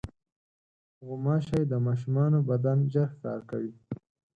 غوماشې د ماشومانو بدن ژر ښکار کوي.